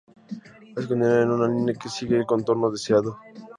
Así se continúa en una línea que sigue el contorno deseado.